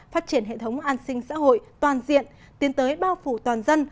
phát triển hệ thống an sinh xã hội toàn diện tiến tới bao phủ toàn dân